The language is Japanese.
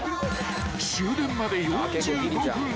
［終電まで４５分］